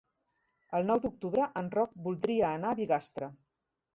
El nou d'octubre en Roc voldria anar a Bigastre.